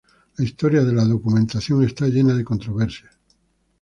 La historia de la documenta está llena de controversias.